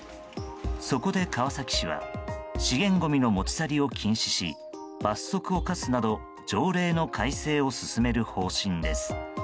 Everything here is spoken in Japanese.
そこで川崎市は資源ごみの持ち去りを禁止し罰則を科すなど条例の改正を進める方針です。